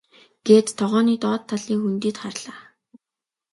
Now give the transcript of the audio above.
гээд тогооны доод талын хөндийд харлаа.